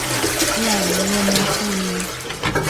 แหล่งเงินทุน